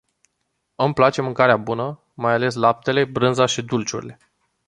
Îmi place mâncarea bună, mai ales laptele, brânza și dulciurile.